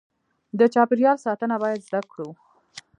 د چاپیریال ساتنه باید زده کړو.